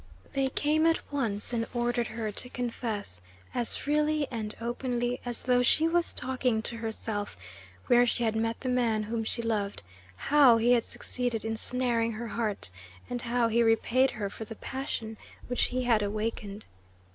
They came at once and ordered her to confess, as freely and openly as though she was talking to herself, where she had met the man whom she loved, how he had succeeded in snaring her heart, and how he repaid her for the passion which he had awakened.